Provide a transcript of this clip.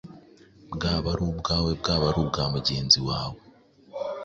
bwaba ari ubwawe, bwaba ari ubwa mugenzi wawe,